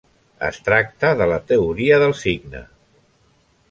Es tracta de la teoria del signe.